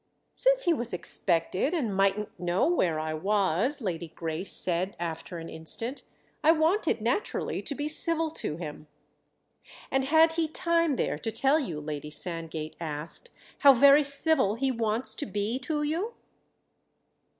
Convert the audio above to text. "Since he was expected and mightn't know where I was," Lady Grace said after an instant, "I wanted naturally to be civil to him." "And had he time there to tell you," Lady Sand gate asked, "how very civil he wants to be to you?"